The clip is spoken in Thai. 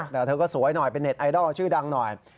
แต่เธอก็สวยหน่อยเป็นเน็ตไอดอลชื่อดังหน่อย